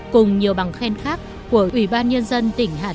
cùng nhiều bằng khen khác của ủy ban nhân dân tỉnh hà nam